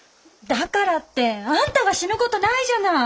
だからってあんたが死ぬ事ないじゃない！